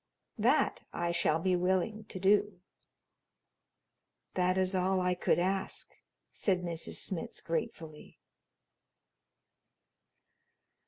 That I shall be willing to do." "That is all I could ask," said Mrs. Smitz gratefully.